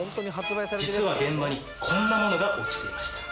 実は現場にこんなものが落ちていました。